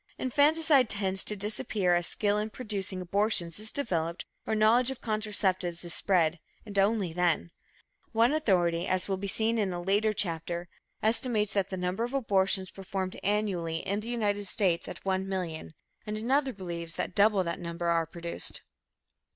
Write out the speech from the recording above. Infanticide tends to disappear as skill in producing abortions is developed or knowledge of contraceptives is spread, and only then. One authority, as will be seen in a later chapter, estimates the number of abortions performed annually in the United States at 1,000,000, and another believes that double that number are produced.